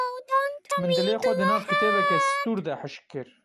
Min dilê xwe di nav kitêbeke sitûr de hişk kir.